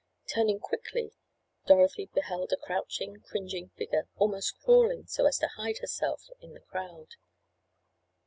Turning quickly Dorothy beheld a crouching, cringing figure, almost crawling so as to hide herself in the crowd.